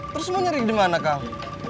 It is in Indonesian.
terus semua nyari di mana kang